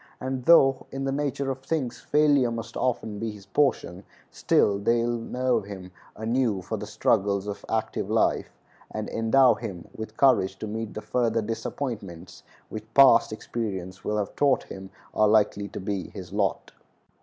And though, in the nature of things, failure must often be his portion, still they will nerve him anew for the struggles of active life, and endow him with courage to meet the further disappointments which past experience will have taught him are likely to be his lot.